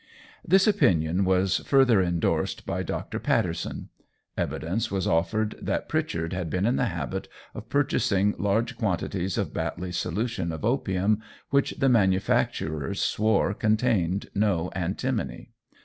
This opinion was further endorsed by Dr. Paterson. Evidence was offered, that Pritchard had been in the habit of purchasing large quantities of Batley's solution of opium, which the manufacturers swore contained no antimony.